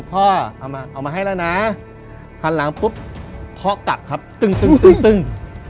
พ่อเอามาเอามาให้แล้วนะพันหลังปุ๊บพ่อกักครับตึ้งตึ้งตึ้งตึ้ง